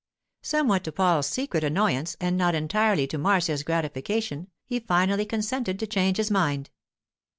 Somewhat to Paul's secret annoyance, and not entirely to Marcia's gratification, he finally consented to change his mind.